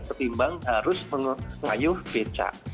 ketimbang harus mengayuh becak